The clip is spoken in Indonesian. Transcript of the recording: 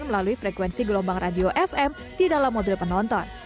melalui frekuensi gelombang radio fm di dalam mobil penonton